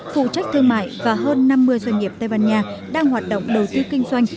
phụ trách thương mại và hơn năm mươi doanh nghiệp tây ban nha đang hoạt động đầu tư kinh doanh